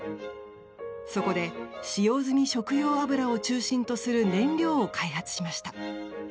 そこで、使用済み食用油を中心とする燃料を開発しました。